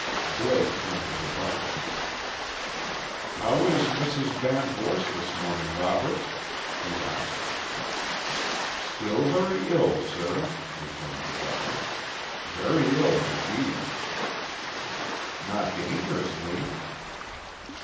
Blake turned to the butler. "How is Mrs. VanVorst this morning, Roberts?" he asked. "Still very ill, sir," returned the butler. "Very ill indeed." "Not dangerously?"